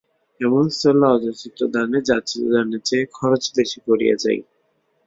এমন স্থলে অযাচিত দানে যাচিত দানের চেয়ে খরচ বেশি পড়িয়া যায়।